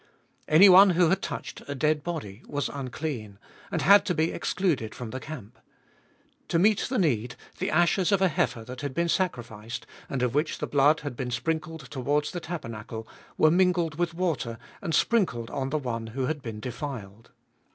Anyone who had touched a dead body was unclean, and had to be excluded from the camp. To meet the need, the ashes of a heifer that had been sacrificed, and of which the blood had been sprinkled towards the tabernacle, were mingled with water, and sprinkled on the one who had been defiled.